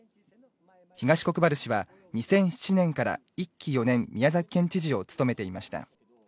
東国原氏は２００７年から１期４年宮崎県知事を務めていました。